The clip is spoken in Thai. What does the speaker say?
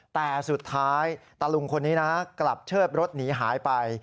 แต่สุดท้ายตะลุงคนนี้นะกลับเชิดรถหนีหายไป